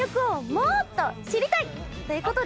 もっと知りたいということで。